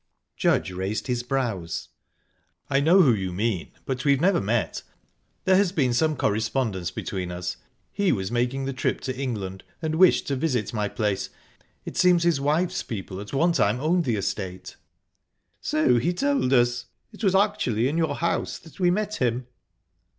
Judge raised his brows. "I know who you mean, but we've never met. There has been some correspondence between us. He was making the trip to England, and wished to visit my place. It seems his wife's people at one time owned the estate." "So he told us. It was actually in your house that we met him."